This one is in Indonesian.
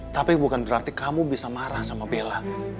tapi bukan berarti kamu bisa marah sama bella